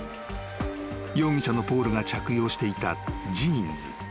［容疑者のポールが着用していたジーンズ］